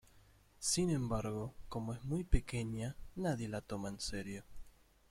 Sin embargo, como es muy pequeña, nadie la toma en serio.